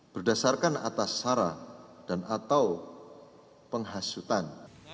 berdasarkan atas sara dan atau penghasutan